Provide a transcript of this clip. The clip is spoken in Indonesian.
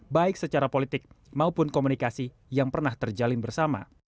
baik secara politik maupun komunikasi yang pernah terjalin bersama